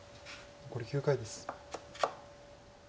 残り９回です。